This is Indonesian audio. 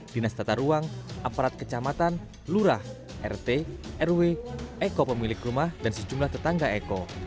dinas tata ruang aparat kecamatan lurah rt rw eko pemilik rumah dan sejumlah tetangga eko